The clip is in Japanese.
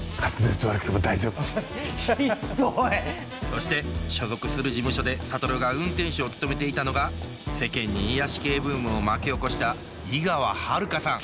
そして所属する事務所で諭が運転手を務めていたのが世間に癒やし系ブームを巻き起こした井川遥さん